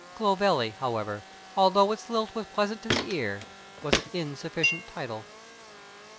Clovelly, however, although its lilt was pleasant to the ear, was an insufficient title.